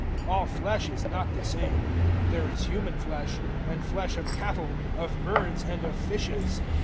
015:039 All flesh is not the same: there is human flesh, and flesh of cattle, of birds, and of fishes.